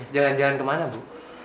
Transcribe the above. jalan jalan kemana bu